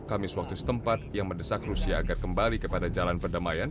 kamis waktu setempat yang mendesak rusia agar kembali kepada jalan perdamaian